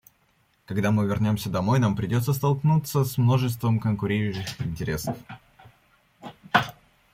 Когда мы вернемся домой, нам придется столкнуться с множеством конкурирующих интересов.